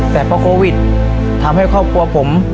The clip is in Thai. แต่เพราะโควิดทำให้ครอบครัวผม